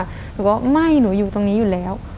หนูก็ไม่หนูอยู่ตรงนี้อยู่แล้ว